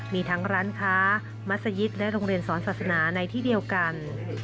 มีทั้งร้านค้ามัศยิตและโรงเรียนสอนศาสนาในที่เดียวกัน